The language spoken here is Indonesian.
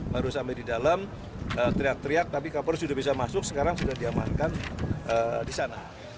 baru sampai di dalam teriak teriak tapi kapol sudah bisa masuk sekarang sudah diamankan di sana